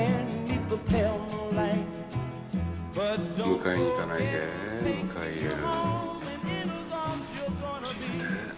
迎えに行かないで迎え入れる。